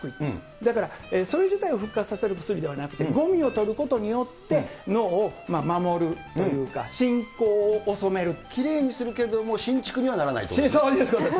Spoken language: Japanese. だから、それ自体を復活させる薬ではなくて、ごみを取ることによって、脳を守るというか、きれいにするけども、新築にそういうことです。